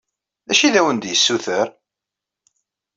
D acu i awen-d-yessuter?